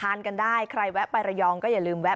อารมณ์ของแม่ค้าอารมณ์การเสิรฟนั่งอยู่ตรงกลาง